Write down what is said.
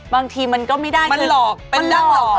บางทีมันก็ไม่ได้คือมันหลอกเป็นดั้งหลอก